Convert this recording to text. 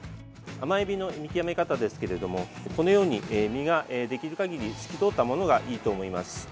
甘えびの見極め方ですけれどもこのように身ができる限り透き通ったものがいいと思います。